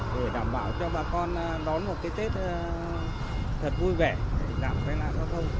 để đảm bảo cho bà con đón một tết thật vui vẻ giảm khai nạn giao thông